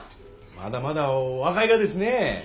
まだまだ若いがですねえ。